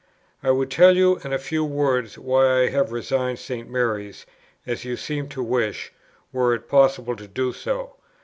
I would tell you in a few words why I have resigned St. Mary's, as you seem to wish, were it possible to do so.